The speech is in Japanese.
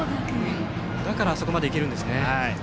だからあそこまで行けるんですね。